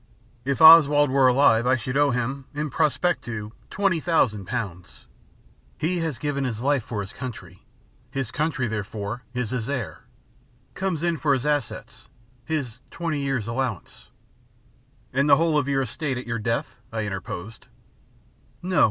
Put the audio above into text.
If Oswald were alive I should owe him, in prospectu, twenty thousand pounds. He has given his life for his country. His country, therefore, is his heir, comes in for his assets, his twenty years' allowance " "And the whole of your estate at your death?" I interposed. "No.